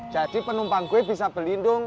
jadi penumpang gue bisa belindung